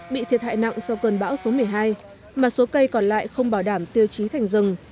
bị thiệt hại nặng sau cơn bão số một mươi hai mà số cây còn lại không bảo đảm tiêu chí thành rừng